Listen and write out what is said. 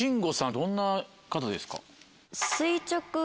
どんな方ですか？